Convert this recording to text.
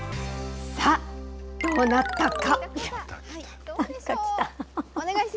さあ、どうなったか。